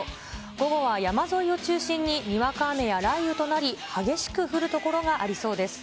午後は山沿いを中心に、にわか雨や雷雨となり、激しく降る所がありそうです。